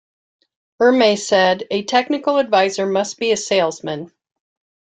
Ermey said A technical advisor must be a salesman.